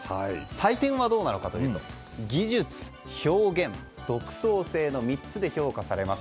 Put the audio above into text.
採点はどうなのかというと技術、表現、独創性の３つで評価されます。